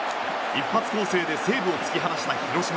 一発攻勢で西武を突き放した広島。